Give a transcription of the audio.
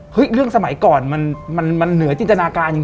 เรื่องสมัยก่อนมันเหนือจินตนาการจริง